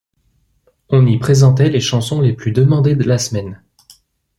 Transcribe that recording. On y présentait les chansons les plus demandées de la semaine.